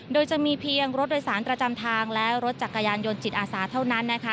โดยจะมีเพียงรถโดยสารประจำทางและรถจักรยานยนต์จิตอาสาเท่านั้นนะคะ